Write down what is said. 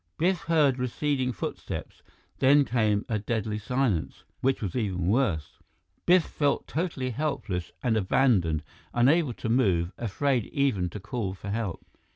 Biff heard receding footsteps; then came a deadly silence, which was even worse. Biff felt totally helpless and abandoned, unable to move, afraid even to call for help.